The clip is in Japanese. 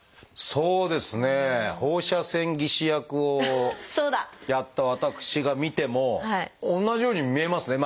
そうですね放射線技師役をやった私が見ても同じように見えますね。